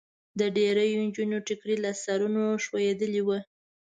د ډېریو نجونو ټیکري له سرونو خوېدلي ول.